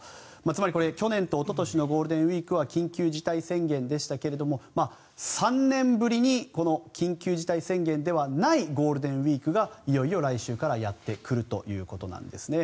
つまり、去年とおととしのゴールデンウィークは緊急事態宣言でしたけれども３年ぶりにこの緊急事態宣言ではないゴールデンウィークがいよいよ来週からやってくるということなんですね。